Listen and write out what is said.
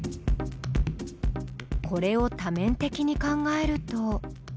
これを多面的に考えると。